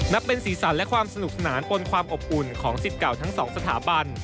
นับเป็นสีสันและความสนุกสนานปนความอบอุ่นของสิทธิ์เก่าทั้งสองสถาบัน